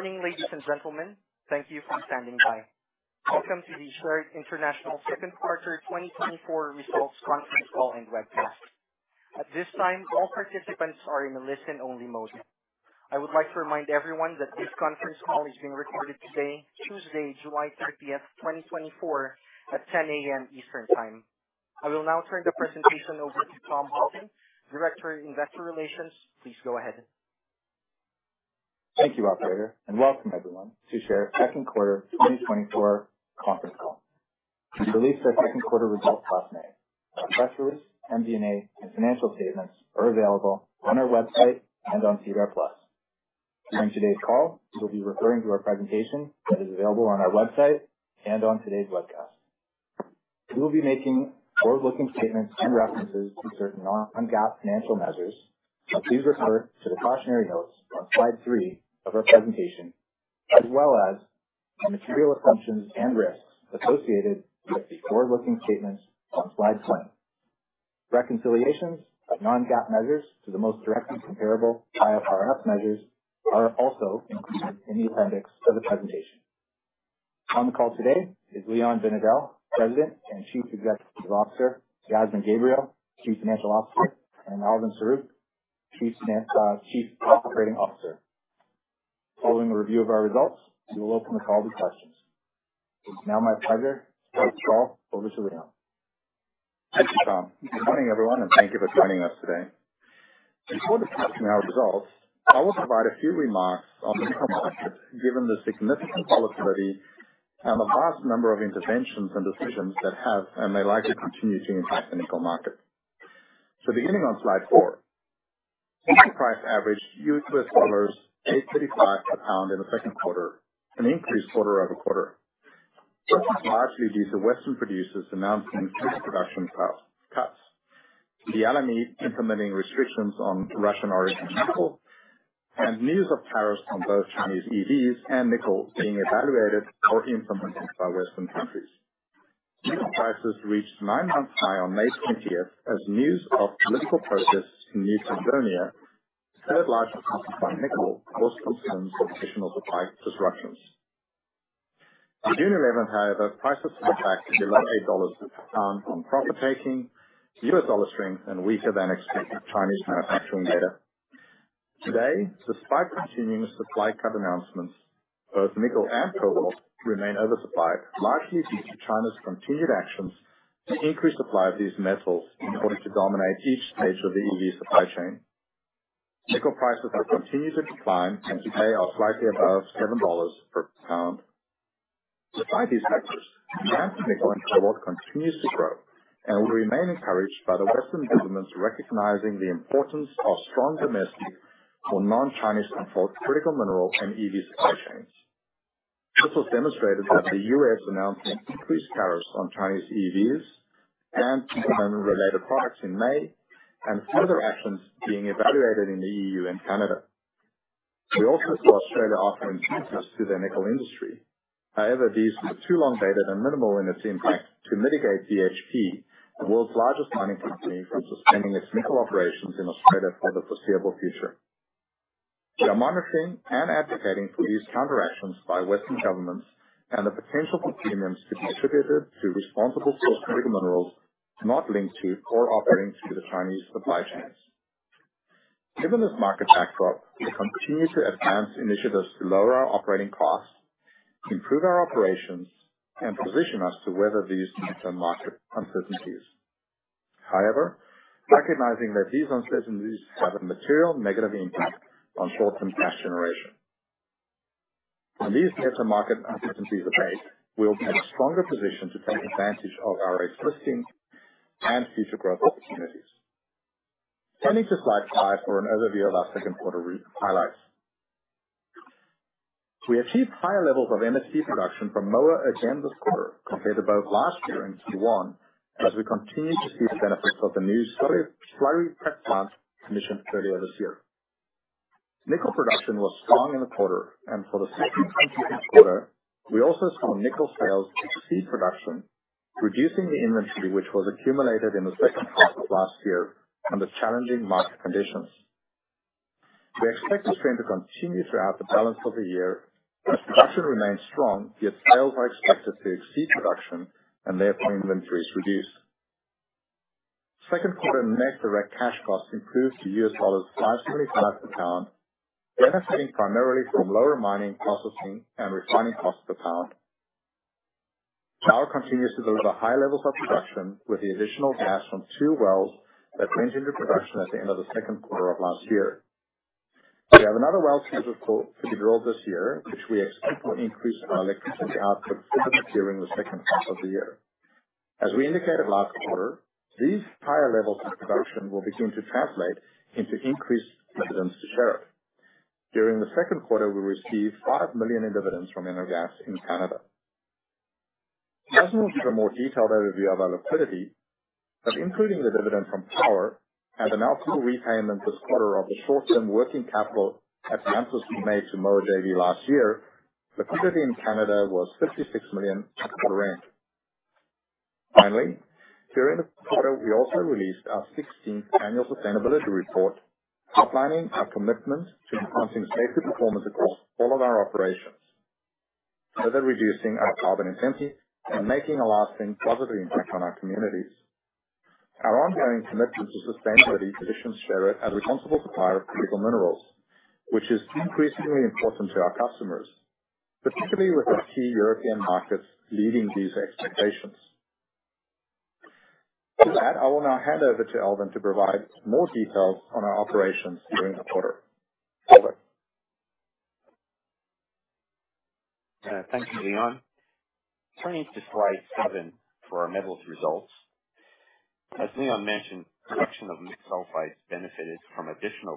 Morning, ladies and gentlemen. Thank you for standing by. Welcome to the Sherritt International second quarter 2024 results conference call and webcast. At this time, all participants are in a listen-only mode. I would like to remind everyone that this conference call is being recorded today, Tuesday, July 30, 2024, at 10:00 A.M. Eastern Time. I will now turn the presentation over to Tom Houghton, Director, Investor Relations. Please go ahead. Thank you, operator, and welcome everyone to Sherritt second quarter 2024 conference call. We released our second quarter results last May. Our press release, MD&A, and financial statements are available on our website and on SEDAR+. During today's call, we'll be referring to our presentation that is available on our website and on today's webcast. We will be making forward-looking statements and references to certain non-GAAP financial measures. Please refer to the cautionary notes on slide 3 of our presentation, as well as the material assumptions and risks associated with the forward-looking statements on slide 10. Reconciliations of non-GAAP measures to the most directly comparable IFRS measures are also included in the appendix of the presentation. On the call today is Leon Binedell, President and Chief Executive Officer, Yasmin Gabriel, Chief Financial Officer, and Elvin Saruk, Chief Operating Officer. Following a review of our results, we will open the call to questions. It's now my pleasure to turn the call over to Leon. Thank you, Tom. Good morning, everyone, and thank you for joining us today. Before discussing our results, I will provide a few remarks on the nickel market, given the significant volatility and the vast number of interventions and decisions that have and may likely continue to impact the nickel market. Beginning on slide four, nickel price averaged $835 per pound in the second quarter, an increase quarter-over-quarter. This was largely due to Western producers announcing future production cuts, the LME implementing restrictions on Russian-origin nickel, and news of tariffs on both Chinese EVs and nickel being evaluated or implemented by Western countries. Nickel prices reached 9-month high on May 20, as news of political protests in New Caledonia, third largest producer of nickel, caused concerns of additional supply disruptions. On June 11, however, prices slipped back to below $8 per pound on profit-taking, U.S. dollar strength, and weaker-than-expected Chinese manufacturing data. Today, despite continuing supply cut announcements, both nickel and cobalt remain oversupplied, largely due to China's continued actions to increase supply of these metals in order to dominate each stage of the EV supply chain. Nickel prices have continued to decline, and today are slightly above $7 per pound. Despite these factors, demand for nickel and cobalt continues to grow, and we remain encouraged by the Western governments recognizing the importance of strong domestic or non-Chinese controlled critical mineral and EV supply chains. This was demonstrated by the U.S. announcing increased tariffs on Chinese EVs and component-related products in May, and further actions being evaluated in the EU and Canada. We also saw Australia offer incentives to their nickel industry. However, these were too long dated and minimal in its impact to mitigate BHP, the world's largest mining company, from suspending its nickel operations in Australia for the foreseeable future. We are monitoring and advocating for these counter actions by Western governments and the potential for premiums to be attributed to responsible sourced critical minerals, not linked to or operating through the Chinese supply chains. Given this market backdrop, we continue to advance initiatives to lower our operating costs, improve our operations, and position us to weather these midterm market uncertainties. However, recognizing that these uncertainties have a material negative impact on short-term cash generation. When these midterm market uncertainties abate, we'll be in a stronger position to take advantage of our existing and future growth opportunities. Turning to slide five for an overview of our second quarter re- highlights. We achieved higher levels of MSP production from Moa again this quarter compared to both last year and Q1, as we continue to see the benefits of the new slurry, slurry prep plant commissioned earlier this year. Nickel production was strong in the quarter, and for the second consecutive quarter, we also saw nickel sales exceed production, reducing the inventory which was accumulated in the second half of last year under challenging market conditions. We expect this trend to continue throughout the balance of the year, as production remains strong, yet sales are expected to exceed production and therefore inventories reduce. Second quarter net direct cash costs improved to $5.75 per pound, benefiting primarily from lower mining, processing, and refining costs per pound. Power continues to deliver high levels of production with the additional gas from two wells that came into production at the end of the second quarter of last year. We have another well scheduled for drilling this year, which we expect will increase our electricity output further during the second half of the year. As we indicated last quarter, these higher levels of production will begin to translate into increased dividends to Sherritt. During the second quarter, we received 5 million in dividends from Energas in Canada. Yasmin will give a more detailed overview of our liquidity, but including the dividend from Power and an outcool repayment this quarter of the short-term working capital advances we made to Moa JV last year, the company in Canada was 56 million. Finally, during the quarter, we also released our sixteenth annual sustainability report, outlining our commitment to enhancing safety performance across all of our operations, further reducing our carbon intensity, and making a lasting positive impact on our communities. Our ongoing commitment to sustainability positions Sherritt as a responsible supplier of critical minerals, which is increasingly important to our customers, particularly with our key European markets leading these expectations. With that, I will now hand over to Elvin to provide more details on our operations during the quarter. Elvin? Thank you, Leon. Turning to slide 7 for our metals results. As Leon mentioned, production of mixed sulfides benefited from additional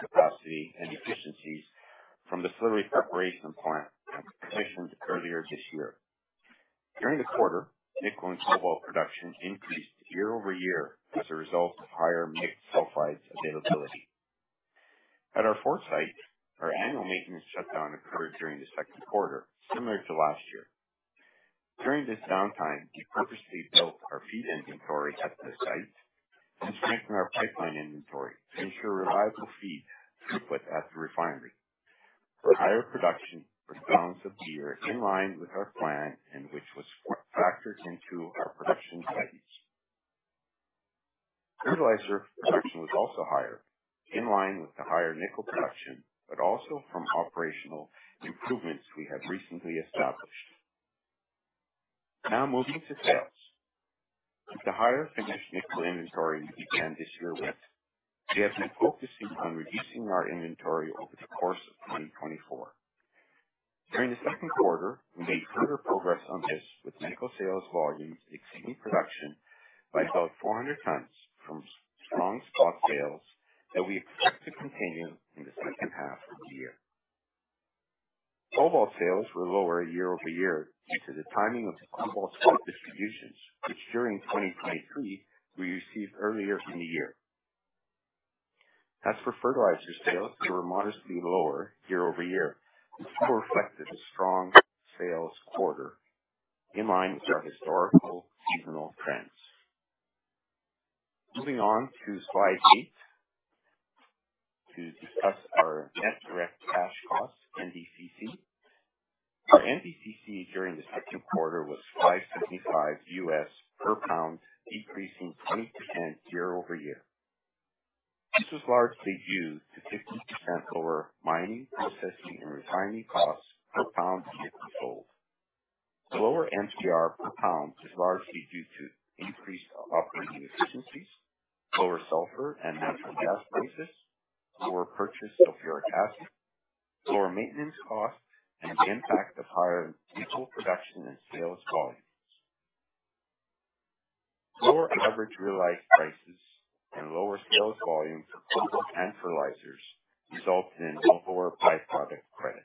capacity and efficiencies from the slurry separation plant commissioned earlier this year. During the quarter, nickel and cobalt production increased year-over-year as a result of higher mixed sulfides availability. At our Fort site, our annual maintenance shutdown occurred during the second quarter, similar to last year. During this downtime, we purposely built our feed inventory at the site to strengthen our pipeline inventory to ensure reliable feed throughput at the refinery. Higher production results of the year, in line with our plan and which was factored into our production guidance. Fertilizer production was also higher, in line with the higher nickel production, but also from operational improvements we have recently established. Now moving to sales. With the higher finished nickel inventory we began this year with, we have been focusing on reducing our inventory over the course of 2024. During the second quarter, we made further progress on this, with nickel sales volumes exceeding production by about 400 tons from strong spot sales that we expect to continue in the second half of the year. Cobalt sales were lower year-over-year due to the timing of cobalt stock distributions, which during 2023 we received earlier in the year. As for fertilizer sales, they were modestly lower year-over-year, which reflected a strong sales quarter in line with our historical seasonal trends. Moving on to slide 8 to discuss our net direct cash costs, NDCC. Our NDCC during the second quarter was $5.75 per pound, decreasing 8%-10% year-over-year. This was largely due to 15% lower mining, processing, and refining costs per pound of nickel sold. The lower MPR per pound is largely due to increased operating efficiencies, lower sulfur and natural gas prices, lower purchase of sulfuric acid, lower maintenance costs, and the impact of higher nickel production and sales volumes. Lower average realized prices and lower sales volumes of cobalt and fertilizers resulted in lower by-product credits.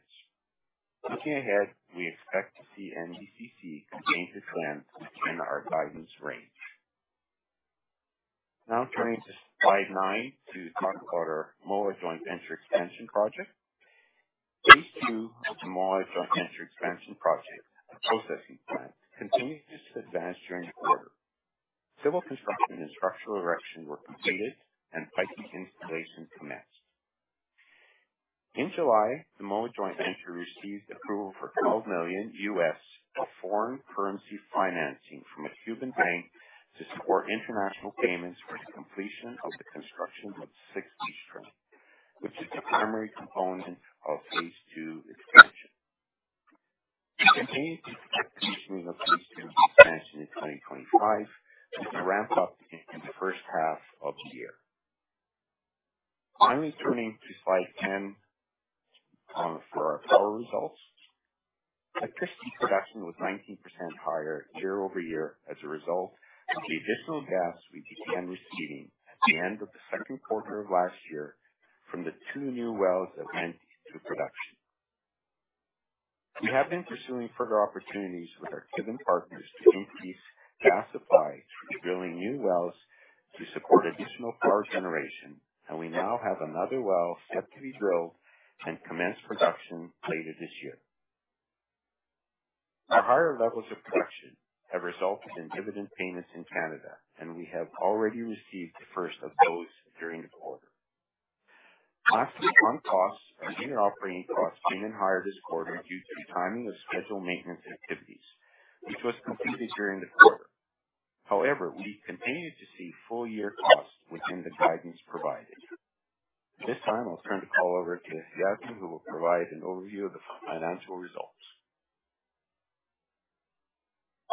Looking ahead, we expect to see NDCC remain within our guidance range. Now turning to slide 9 to talk about our Moa Joint Venture expansion project. Phase two of the Moa Joint Venture expansion project, a processing plant, continues to advance during the quarter. Civil construction and structural erection were completed, and piping installation commenced. In July, the Moa Joint Venture received approval for $12 million of foreign currency financing from a Cuban bank to support international payments for the completion of the construction of the Sixth Leach Train, which is the primary component of phase two expansion. We continue to expect commissioning of phase two expansion in 2025, with a ramp up in the first half of the year. Finally turning to slide 10 for our power results. Electricity production was 19% higher year-over-year as a result of the additional gas we began receiving at the end of the second quarter of last year from the 2 new wells that went into production. We have been pursuing further opportunities with our Cuban partners to increase gas supply through drilling new wells to support additional power generation, and we now have another well set to be drilled and commence production later this year. Our higher levels of production have resulted in dividend payments in Canada, and we have already received the first of those during the quarter. Lastly, on costs, our year operating costs being higher this quarter due to the timing of scheduled maintenance activities, which was completed during the quarter. However, we continue to see full year costs within the guidance provided. At this time, I'll turn the call over to Yasmin Gabriel, who will provide an overview of the financial results.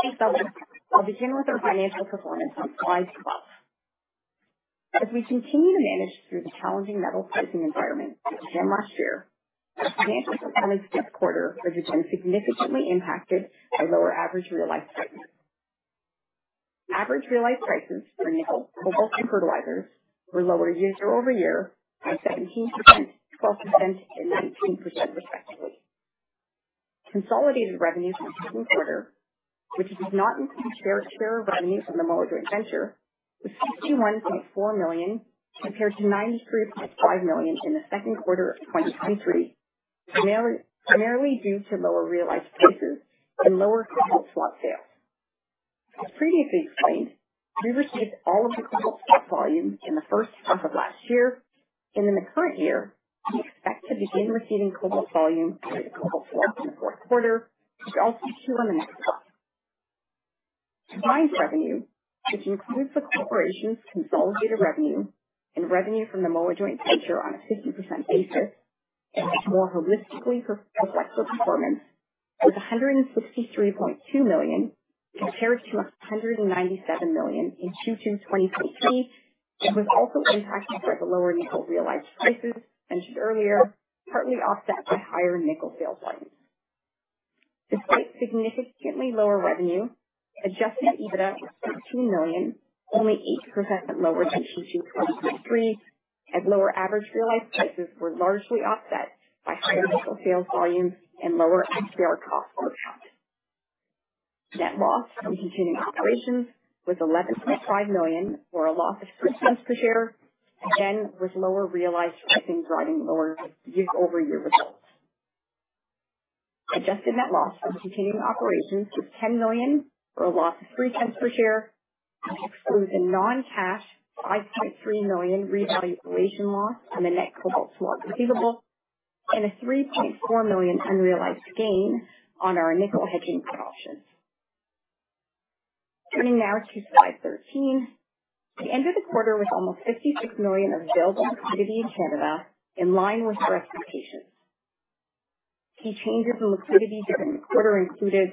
Thanks, Elvin. I'll begin with our financial performance on slide 12. As we continue to manage through the challenging metal pricing environment we began last year, our financial performance this quarter has again been significantly impacted by lower average realized prices. Average realized prices for nickel, cobalt, and fertilizers were lower year-over-year by 17%, 12%, and 19%, respectively. Consolidated revenues for the second quarter, which does not include fair share of revenues from the Moa Joint Venture, was 61.4 million, compared to 93.5 million in the second quarter of 2023.... primarily due to lower realized prices and lower Cobalt Swap sales. As previously explained, we received all of the cobalt swap volume in the first half of last year, and in the current year, we expect to begin receiving cobalt volume under the cobalt swap in the fourth quarter, which I'll detail on the next slide. Combined revenue, which includes the corporation's consolidated revenue and revenue from the Moa Joint Venture on a 50% basis, and more holistically reflects our performance with CAD 163.2 million, compared to CAD 197 million in Q2 2023, and was also impacted by the lower nickel realized prices mentioned earlier, partly offset by higher nickel sales volumes. Despite significantly lower revenue, Adjusted EBITDA was 13 million, only 8% lower than Q2 2023, as lower average realized prices were largely offset by higher nickel sales volumes and lower MPR costs per pound. Net loss from continuing operations was 11.5 million, or a loss of CAD 0.03 per share, and again, was lower realized pricing, driving lower year-over-year results. Adjusted net loss from continuing operations was 10 million, or a loss of 0.03 per share, which excludes a non-cash 5.3 million revaluation loss on the net cobalt swap receivable and a 3.4 million unrealized gain on our nickel hedging options. Turning now to slide 13. We ended the quarter with almost 56 million of available liquidity in Canada, in line with our expectations. Key changes in liquidity during the quarter included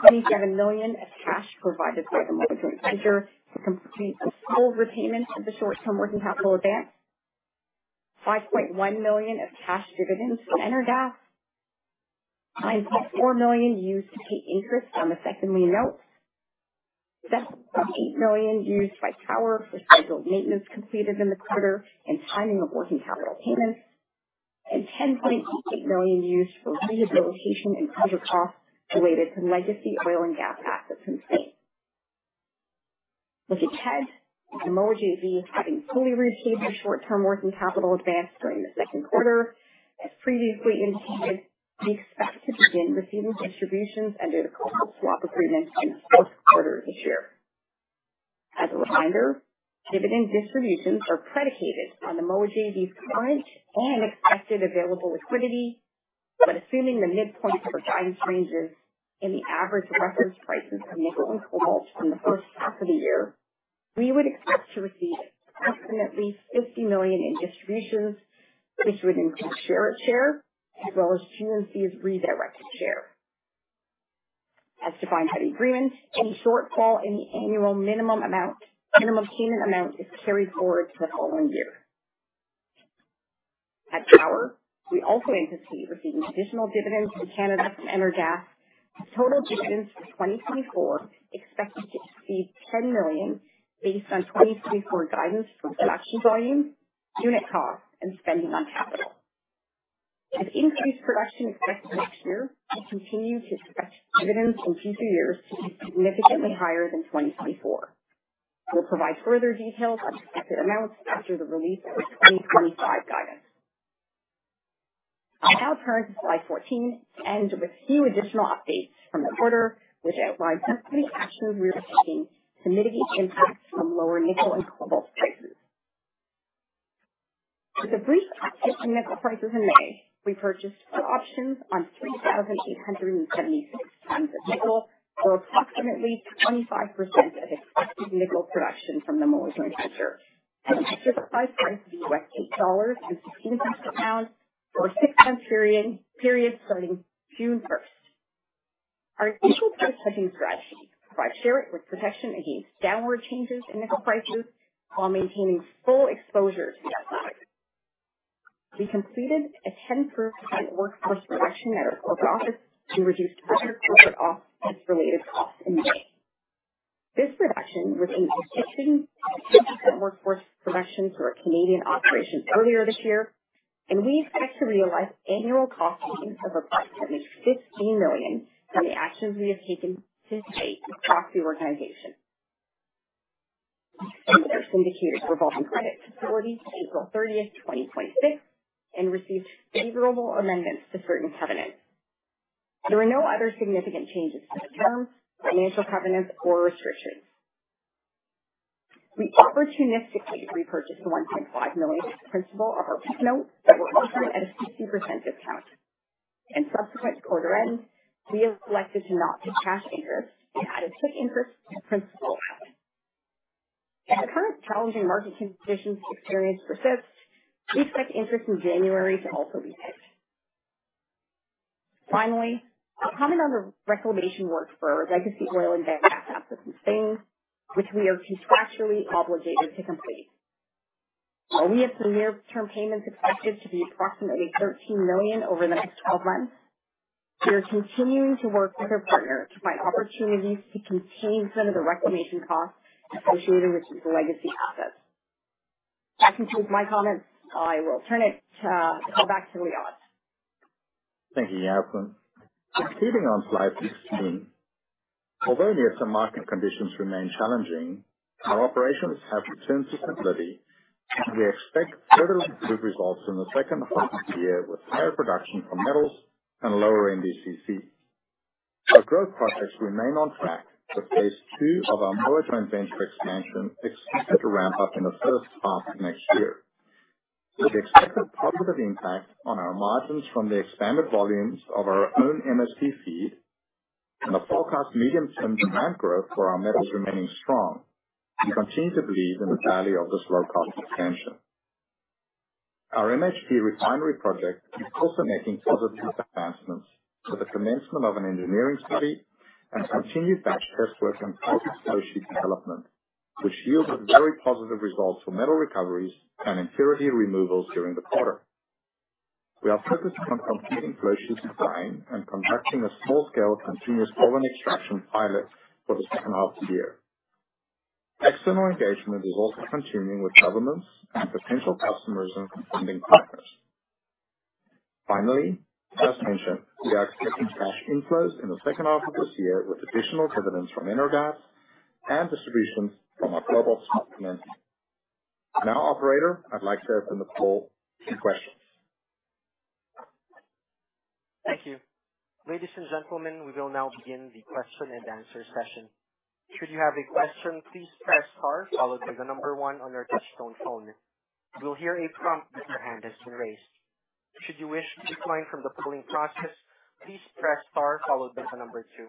27 million of cash provided by the Moa Joint Venture to complete a full repayment of the short-term working capital advance, 5.1 million of cash dividends from Energas, 9.4 million used to pay interest on the Second Lien Notes, 7.8 million used by Power for scheduled maintenance completed in the quarter and timing of working capital payments, and 10.8 million used for rehabilitation and other costs related to legacy oil and gas assets in Spain. Looking ahead, with Moa JV having fully repaid the short-term working capital advance during the second quarter, as previously indicated, we expect to begin receiving distributions under the Cobalt Swap agreement in the fourth quarter this year. As a reminder, dividend distributions are predicated on the Moa JV's current and expected available liquidity, but assuming the midpoint of our guidance ranges and the average reference prices for nickel and cobalt in the first half of the year, we would expect to receive approximately $50 million in distributions, which would include Sherritt's share as well as GNC's redirected share. As defined by the agreement, any shortfall in the annual minimum amount - minimum payment amount is carried forward to the following year. At Power, we also anticipate receiving additional dividends in Canada from Energas, with total dividends for 2024 expected to exceed $10 million based on 2024 guidance for production volume, unit cost, and spending on capital. An increased production expected next year will continue to expect dividends in future years to be significantly higher than 2024. We'll provide further details on expected amounts after the release of our 2025 guidance. I now turn to slide 14, and with a few additional updates from the quarter, which outlines the actions we are taking to mitigate the impacts from lower nickel and cobalt prices. With a brief uptick in nickel prices in May, we purchased options on 3,876 pounds of nickel, or approximately 25% of expected nickel production from the Moa Joint Venture, at an exercise price of $8.16 per pound for a 6-month period starting June 1. Our nickel price hedging strategy provides Sherritt with protection against downward changes in nickel prices while maintaining full exposure to the asset. We completed a 10% workforce reduction at our corporate office to reduce corporate office-related costs in May. This reduction was in addition to a 10% workforce reduction to our Canadian operations earlier this year, and we expect to realize annual cost savings of approximately 15 million from the actions we have taken to date across the organization. We extended our Syndicated Revolving Credit Facility to April thirtieth, 2026, and received favorable amendments to certain covenants. There were no other significant changes to the terms, financial covenants, or restrictions. We opportunistically repurchased 1.5 million principal of our PIK Note that were trading at a 60% discount. In subsequent quarter ends, we have elected not to pay cash interest and added PIK interest to the principal balance. If the current challenging market conditions experienced persist, we expect interest in January to also be paid. Finally, we're currently under reclamation work for our legacy oil and gas assets in Spain, which we are contractually obligated to complete. While we have some near-term payments expected to be approximately 13 million over the next 12 months, we are continuing to work with our partner to find opportunities to contain some of the reclamation costs associated with these legacy assets. That concludes my comments. I will turn it back to Leon. Thank you, Yasmin Gabriel. Continuing on slide 15- ... Although the market conditions remain challenging, our operations have returned to stability, and we expect further improved results in the second half of the year with higher production from metals and lower NDCC. Our growth projects remain on track, with phase two of our Moa Joint Venture expansion expected to ramp up in the first half of next year. With the expected positive impact on our margins from the expanded volumes of our own MSP feed and the forecast medium-term demand growth for our metals remaining strong, we continue to believe in the value of this low-cost expansion. Our MHP refinery project is also making positive advancements with the commencement of an engineering study and continued batch test work on process flow sheet development, which yielded very positive results for metal recoveries and impurity removals during the quarter. We are focused on completing flow sheet design and conducting a small-scale continuous solvent extraction pilot for the second half of the year. External engagement is also continuing with governments and potential customers and funding partners. Finally, as mentioned, we are expecting cash inflows in the second half of this year, with additional dividends from Energas and distributions from our Cobalt supplements. Now, operator, I'd like to open the call to questions. Thank you. Ladies and gentlemen, we will now begin the question and answer session. Should you have a question, please press star followed by the number one on your touchtone phone. You'll hear a prompt that your hand has been raised. Should you wish to decline from the polling process, please press star followed by the number two.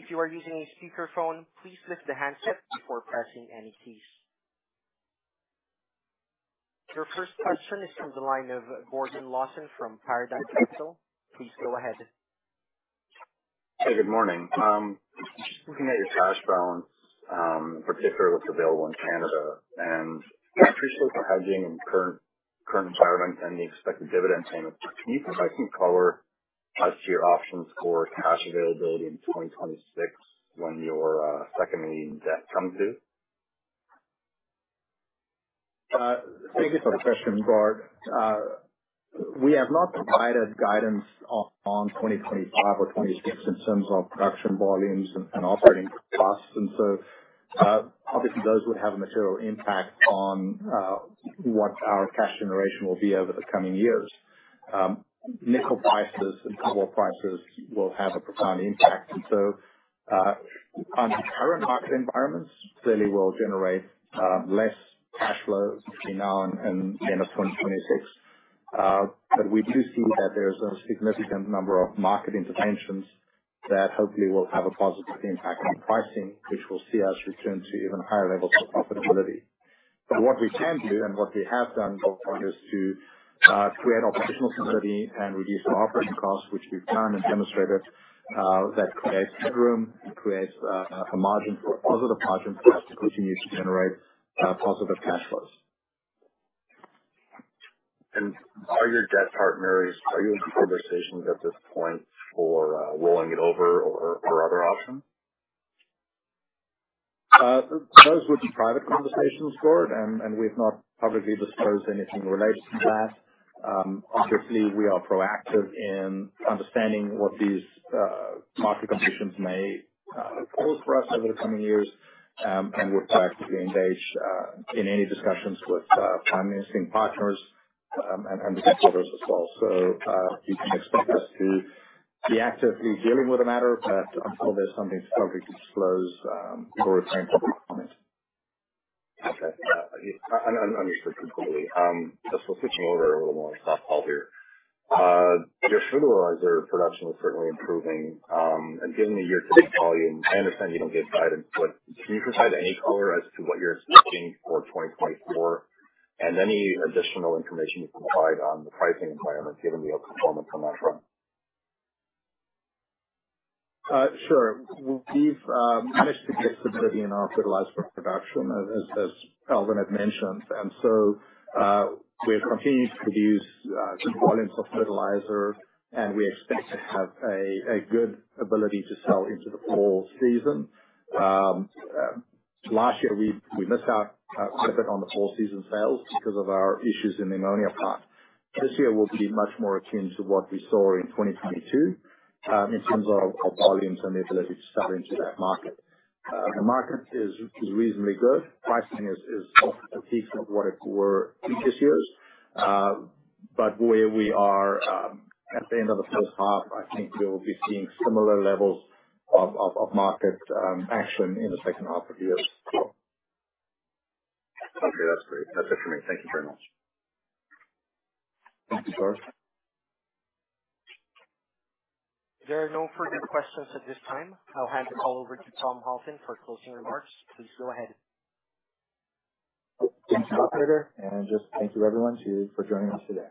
If you are using a speakerphone, please lift the handset before pressing any keys. Your first question is from the line of Gordon Lawson from Paradigm Capital. Please go ahead. Hey, good morning. Looking at your cash balance, particularly what's available in Canada, and I appreciate the hedging in current environment and the expected dividend payment. Can you provide some color as to your options for cash availability in 2026 when your second lien debt comes due? Thank you for the question, Gord. We have not provided guidance on 2025 or 2026 in terms of production volumes and, and operating costs. And so, obviously, those would have a material impact on, what our cash generation will be over the coming years. Nickel prices and cobalt prices will have a profound impact. And so, on the current market environments, clearly we'll generate, less cash flows between now and, and the end of 2026. But we do see that there's a significant number of market interventions that hopefully will have a positive impact on pricing, which will see us return to even higher levels of profitability. But what we can do and what we have done, Gord, is to create operational stability and reduce our operating costs, which we've done and demonstrated, that creates headroom, creates a margin for positive margin for us to continue to generate positive cash flows. Are your debt partners, are you in conversations at this point for rolling it over or other options? Those would be private conversations, Gord, and we've not publicly disclosed anything in relation to that. Obviously, we are proactive in understanding what these market conditions may hold for us over the coming years. And we're proactively engaged in any discussions with financing partners, and the debt holders as well. So, you can expect us to be actively dealing with the matter, but until there's something to publicly disclose, Gord, I won't comment. Okay. Understood completely. Just switching over a little more softball here. Your fertilizer production was certainly improving, and given the year-to-date volume, I understand you don't give guidance, but can you provide any color as to what you're expecting for 2024 and any additional information you can provide on the pricing environment, given the performance on that front? Sure. We've managed to get stability in our fertilizer production, as Elvin had mentioned. And so, we have continued to produce good volumes of fertilizer, and we expect to have a good ability to sell into the fall season. Last year, we missed out quite a bit on the fall season sales because of our issues in the ammonia plant. This year, we'll be much more attuned to what we saw in 2022, in terms of our volumes and the ability to sell into that market. The market is reasonably good. Pricing is off the peak of what it were in previous years. But where we are, at the end of the first half, I think we will be seeing similar levels of market action in the second half of this year. Okay, that's great. That's it for me. Thank you very much. Thank you, Gord. There are no further questions at this time. I'll hand the call over to Tom Houghton for closing remarks. Please go ahead. Thank you, operator. Just thank you, everyone, for joining us today.